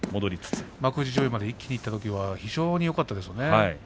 幕内上位まで一気にいったときは非常によかったですよね。